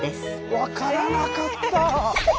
分からなかった！